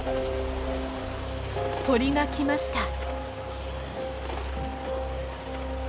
鳥が来ました。